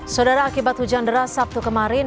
saudara akibat hujan deras sabtu kemarin